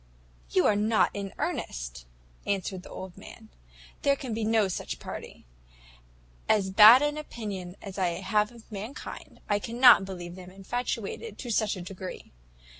"You are not in earnest!" answered the old man; "there can be no such party. As bad an opinion as I have of mankind, I cannot believe them infatuated to such a degree.